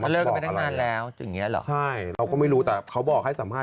เลิกกันไปตั้งนานแล้วอย่างเงี้เหรอใช่เราก็ไม่รู้แต่เขาบอกให้สัมภาษ